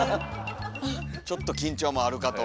ちょっと緊張もあるかと。